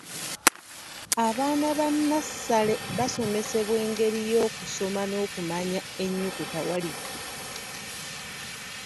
Abaana ba nnassale basomesebwa engeri y'okusoma n'okumanya ennyukuta walifu.